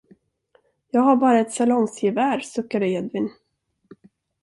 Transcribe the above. Jag har bara ett salongsgevär, suckade Edvin.